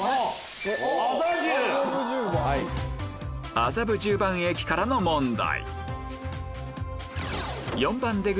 麻布十番駅からの問題